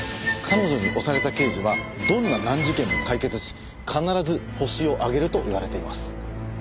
彼女に推された刑事はどんな難事件も解決し必ずホシを挙げると言われています。